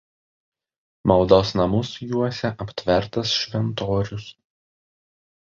Maldos namus juosia aptvertas šventorius.